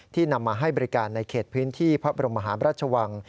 นำมาให้บริการในเขตพื้นที่พระบรมหาราชวัง